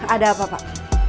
ada apa pak